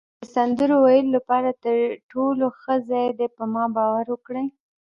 د سندرو ویلو لپاره تر ټولو ښه ځای دی، په ما باور وکړئ.